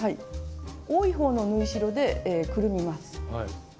多い方の縫い代でくるみます。